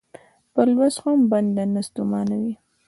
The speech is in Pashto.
په لوست هم بنده نه ستومانوي.